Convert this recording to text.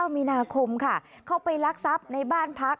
มีนาคมค่ะเข้าไปรักทรัพย์ในบ้านพัก